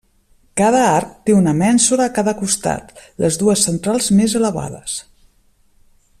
Cada arc té una mènsula a cada costat, les dues centrals més elevades.